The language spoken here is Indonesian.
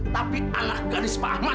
tapi alah gadis pak ahmad